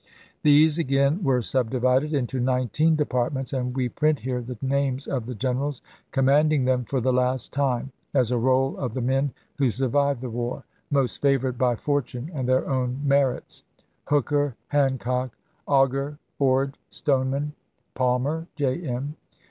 These again were subdivided into nineteen depart ments, and we print here the names of the generals commanding them for the last time, as a roll of the men who survived the war, most favored by fortune and their own merits : Hooker, Hancock, Augur, Ord, Stoneman, Palmer (J. M.)